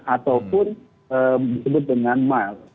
ataupun disebut dengan mild